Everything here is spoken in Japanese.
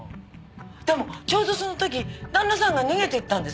でもちょうどその時旦那さんが逃げていったんですよ。